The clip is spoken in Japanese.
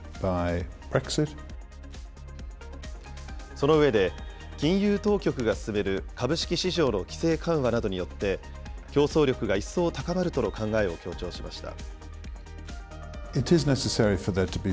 その上で、金融当局が進める株式市場の規制緩和などによって、競争力が一層高まるとの考えを強調しました。